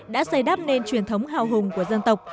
đã xây đắp nên truyền thống hào hùng của dân tộc